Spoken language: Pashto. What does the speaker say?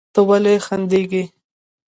ته ولې خندېږې؟